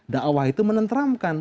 da'wah itu menenteramkan